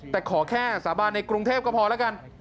แต่ขอแค่สาบานในกรุงเทพก็พอแล้วกัน